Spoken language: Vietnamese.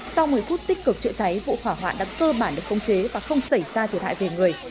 sau một mươi phút tích cực trị cháy vụ khỏa hoạn đã cơ bản được công chế và không xảy ra thiệt hại về người